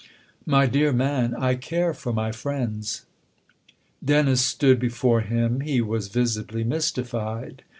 " My dear man, I care for my friends !" Dennis stood before him ; he was visibly mys tified.